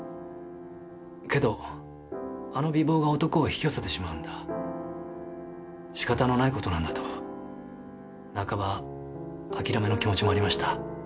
けどあの美貌が男を引き寄せてしまうんだ仕方のない事なんだと半ば諦めの気持ちもありました。